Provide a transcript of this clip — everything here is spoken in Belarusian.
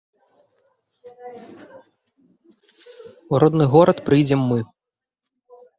У родны горад прыйдзем мы.